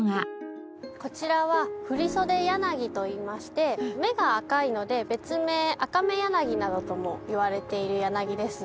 こちらはフリソデヤナギといいまして芽が赤いので別名「赤芽柳」などとも言われている柳です。